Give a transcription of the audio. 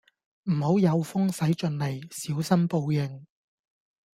唔好有風使盡 𢃇， 小心報應